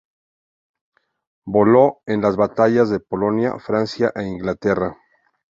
Voló en las batallas de Polonia, Francia e Inglaterra.